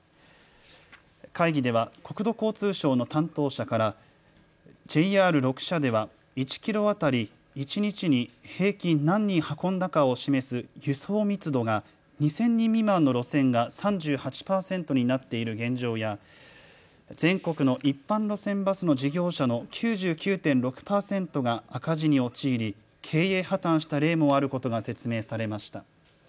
会議では国土交通省の担当者からＪＲ６社では１キロ当たり一日に平均何人運んだかを示す輸送密度が２０００人未満の路線が３８％になっている現状や全国の一般路線バスの事業者の９９．６％が赤字に陥り経営破綻した例もあることが説明されました。